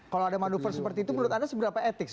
kalau ada manuver seperti itu menurut anda seberapa etik